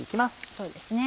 そうですね。